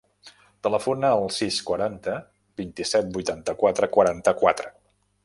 Telefona al sis, quaranta, vint-i-set, vuitanta-quatre, quaranta-quatre.